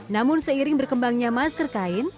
namun seiring berkembangnya masker kain